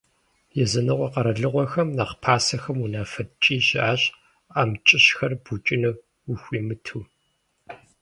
Языныкъуэ къэралыгъуэхэм нэхъ пасэхэм унафэ ткӀий щыӀащ амкӀыщхэр букӀыну ухуимыту.